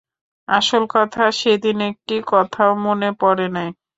আসল কথা, সেদিন একটি কথাও মনে পড়ে নাই।